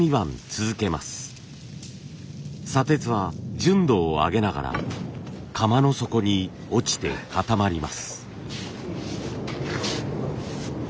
砂鉄は純度を上げながら窯の底に落ちて固まります。